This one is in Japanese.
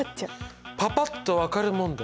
パパっと分かる問題。